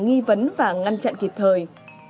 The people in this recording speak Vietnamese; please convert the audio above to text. nghi vấn và ngăn chặn kịp thời